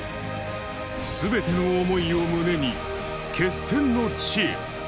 すべての思いを胸に、決戦の地へ。